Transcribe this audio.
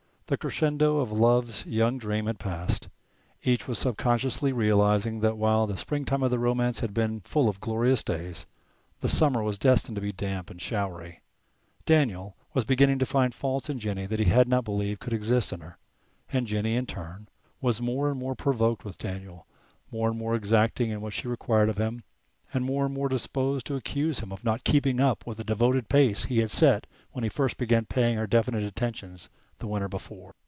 The crescendo of love's young dream had passed. Each was sub consciously realizing that while the springtime of their romance had been full of glorious days the summer was destined to be damp and showery. Daniel was beginning to find faults in Jennie that he had not believed could exist in her, and Jennie in turn was more and more provoked with Daniel, more and more exacting in what she required of him, and more and more disposed to accuse him of not keeping up with the devoted pace he had set when he first began to pay her definite attentions the winter before.